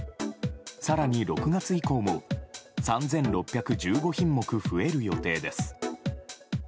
更に６月以降も３６１５品目増える予定です。